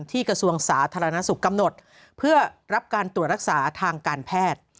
กระทรวงสาธารณสุขกำหนดเพื่อรับการตรวจรักษาทางการแพทย์